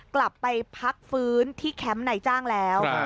กลับไปพักฟื้นที่แคมป์ในจ้างแล้ว